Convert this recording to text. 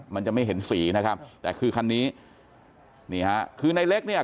มันจะไม่เห็นสีนะครับแต่คือคันนี้นี่ฮะคือในเล็กเนี่ย